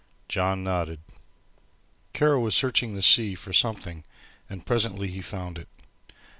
John nodded. Kara was searching the sea for something, and presently he found it.